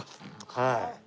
はい。